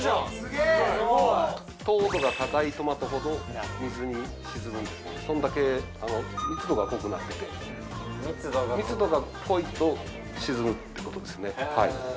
すごい！糖度が高いトマトほど水に沈むんですそれだけ密度が濃くなってて密度が濃いと沈むってことですね